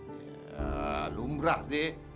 ya lumrah deh